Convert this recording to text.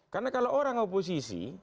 karena kalau orang oposisi